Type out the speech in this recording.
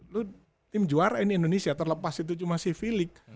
lu tim juara ini indonesia terlepas itu cuma si filik